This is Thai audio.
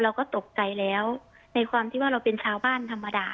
เราก็ตกใจแล้วในความที่ว่าเราเป็นชาวบ้านธรรมดา